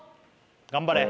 頑張れ